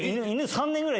戌３年ぐらい。